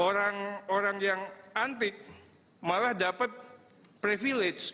orang orang yang antik malah dapat privilege